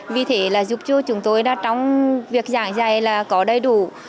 vì thế là giúp cho chúng tôi trong việc giảng dạy là có đầy đủ